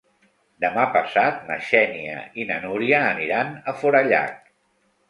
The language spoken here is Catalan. Demà passat na Xènia i na Núria aniran a Forallac.